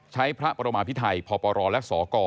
พระประมาพิไทยพปรและสก